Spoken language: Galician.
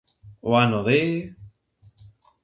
O ano de...